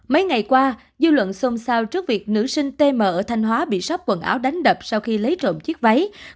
mấy ngày qua dư luận xôn xao trước việc nữ sinh tm ở thanh hóa bị sóc quần áo đánh đập sau khi lấy trộm chiếc váy